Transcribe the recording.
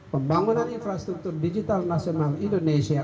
pembangunan infrastruktur digital nasional indonesia